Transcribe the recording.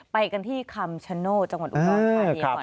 ไปกันที่คำชโนธจังหวัดอุดรธานีก่อน